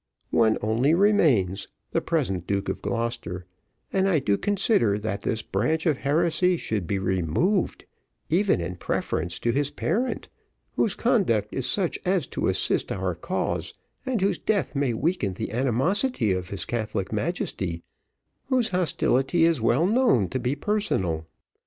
One only remains, the present Duke of Gloucester, and I do consider that this branch of heresy should be removed, even in preference to his parent, whose conduct is such as to assist our cause, and whose death may weaken the animosity of his Catholic Majesty, whose hostility is well known to be personal.